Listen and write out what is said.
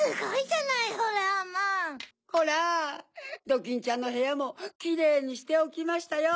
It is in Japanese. ドキンちゃんのへやもキレイにしておきましたよ！